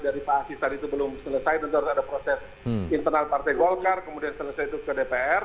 dari pak asis tadi itu belum selesai tentu harus ada proses internal partai golkar kemudian selesai itu ke dpr